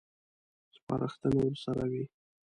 سپارښتنه ورسره وي.